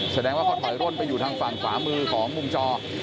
แสดงว่าเขาถอยร่นไปอยู่ทางฝั่งขวามือของมุมจอ